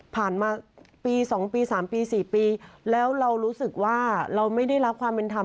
ผ่านมาปี๒ปี๓ปี๔ปีแล้วเรารู้สึกว่าเราไม่ได้รับความเป็นธรรม